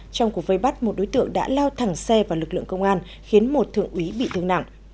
trong cuộc vây bắt một đối tượng đã lao thẳng xe vào lực lượng công an khiến một thượng úy bị thương nặng